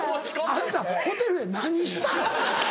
あんたホテルで何したん？